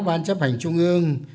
ban chấp hành trung ương